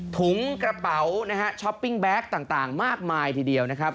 ถุงกระเป๋านะฮะช้อปปิ้งแบ็คต่างมากมายทีเดียวนะครับ